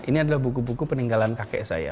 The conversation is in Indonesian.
ini adalah buku buku peninggalan kakek saya